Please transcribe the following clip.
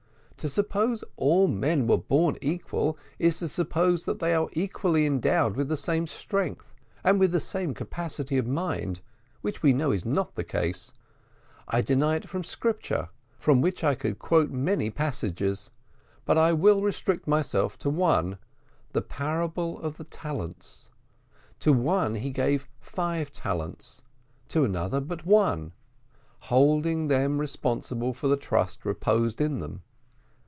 To suppose all men were born equal is to suppose that they are equally endowed with the same strength and with the same capacity of mind, which we know is not the case. I deny it from Scripture, from which I could quote many passages; but I will restrict myself to one the parable of the Talents: `To one he gave five talents, to another but one,' holding them responsible for the trust reposed in them.